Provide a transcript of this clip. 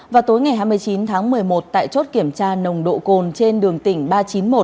vào tối ngày hai mươi chín tháng một mươi một tại chốt kiểm tra nồng độ cồn trên đường tỉnh ba trăm chín mươi một